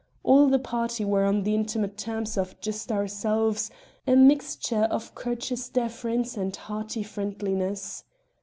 All the party were on the intimate terms of "just ourselves," a mixture of courteous deference and hearty friendliness.